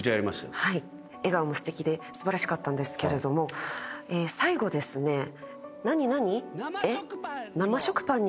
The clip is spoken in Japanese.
笑顔もすてきで素晴らしかったんですけれども最後ですね。